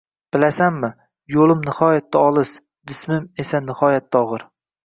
— Bilasanmi... yo‘lim nihoyatda olis, jismim eso nihoyatda og‘ir.